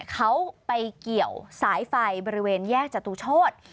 เขาไปเกี่ยวสายไฟบริเวณแยกจตุโชธ